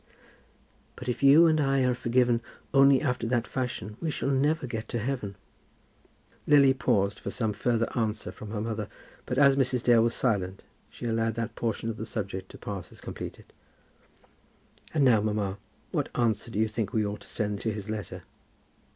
"But if you and I are forgiven only after that fashion we shall never get to heaven." Lily paused for some further answer from her mother, but as Mrs. Dale was silent she allowed that portion of the subject to pass as completed. "And now, mamma, what answer do you think we ought to send to his letter?"